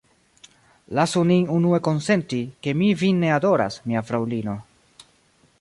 Lasu nin unue konsenti, ke mi vin ne adoras, mia fraŭlino.